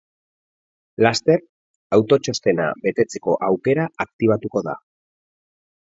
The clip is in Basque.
Laster, autotxostena betetzeko aukera aktibatuko da.